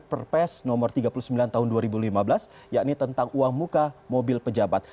perpres nomor tiga puluh sembilan tahun dua ribu lima belas yakni tentang uang muka mobil pejabat